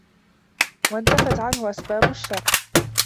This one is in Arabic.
وَانْتَفَتْ عَنْهُ أَسْبَابُ الشَّرِّ